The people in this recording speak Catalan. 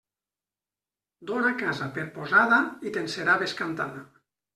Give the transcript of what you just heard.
Dóna casa per posada i te'n serà bescantada.